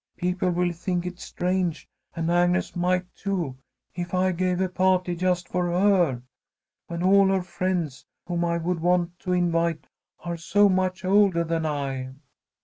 People will think it strange, and Agnes might, too, if I gave a pah'ty just for her, when all her friends whom I would want to invite are so much oldah than I."